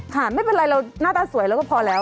ค่ะไม่เป็นไรเราหน้าตาสวยเราก็พอแล้ว